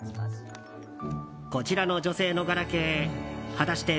こちらの女性のガラケー果たして